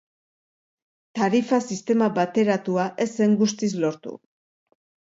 Tarifa-sistema bateratua ez zen guztiz lortu.